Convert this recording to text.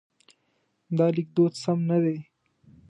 دا لیکدود سم نه دی.